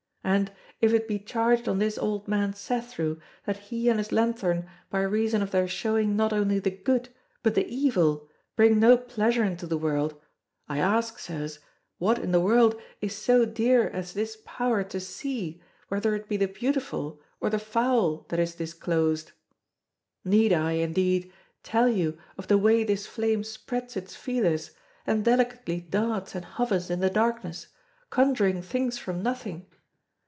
And, if it be charged on this old man Cethru that he and his lanthorn by reason of their showing not only the good but the evil bring no pleasure into the world, I ask, Sirs, what in the world is so dear as this power to see whether it be the beautiful or the foul that is disclosed? Need I, indeed, tell you of the way this flame spreads its feelers, and delicately darts and hovers in the darkness, conjuring things from nothing?